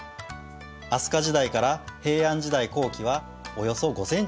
飛鳥時代から平安時代後期はおよそ５センチになります。